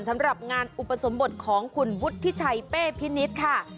สำหรับงานอุปสมบทของคุณวุฒิชัยเป้พินิษฐ์ค่ะ